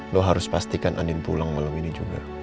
lo harus pastikan andin pulang malam ini juga